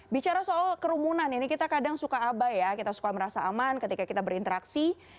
bicara soal kerumunan ini kita kadang suka abai ya kita suka merasa aman ketika kita berinteraksi